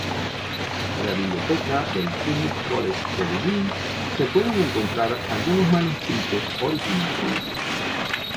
En la biblioteca del Trinity College de Dublín se pueden encontrar algunos manuscritos originales.